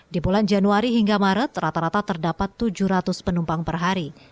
di bulan januari hingga maret rata rata terdapat tujuh ratus penumpang per hari